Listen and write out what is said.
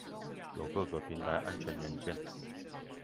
有各個平台安全元件